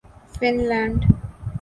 fun land